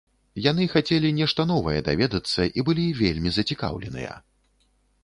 Яны хацелі нешта новае даведацца і былі вельмі зацікаўленыя.